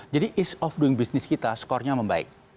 jadi is of doing business kita skornya membaik